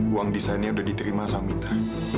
uang desainnya udah diterima sama mita